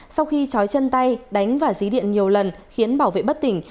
sau khi chói chân tay đánh và dí điện nhiều lần khiến bảo vệ bất tỉnh